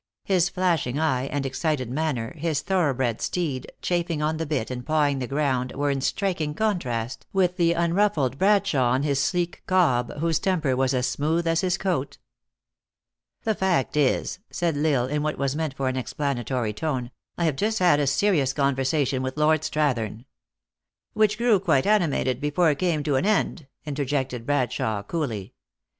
His flashing eye and excited manner, his thoroughbred steed, chafing on the bit and pawing the ground, were in striking contrast with the unruffled Bradshawe on his sleek cob, whose temper was as smooth as his coat. " The fact is," said L Isle, in what was meant for an explanatory tone, " I have just had a serious con versation with Lord Strathern "" Which grew quite animated before it came to an end," interjected Bradshawe, coolly.